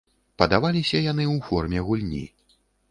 Падаваліся яны ў форме гульні.